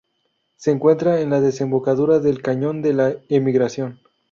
Se encuentra en la desembocadura del Cañón de la Emigración.